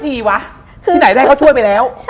ที่ไหนแรกช่วยไปแล้ว